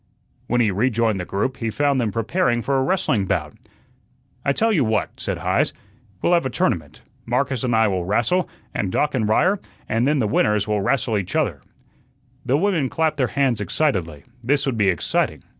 When he rejoined the group, he found them preparing for a wrestling bout. "I tell you what," said Heise, "we'll have a tournament. Marcus and I will rastle, and Doc and Ryer, and then the winners will rastle each other." The women clapped their hands excitedly. This would be exciting.